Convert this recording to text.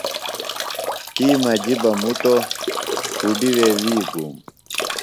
تی مجی بہ مُتوۡ۔ کُڈی وے وی گُوم۔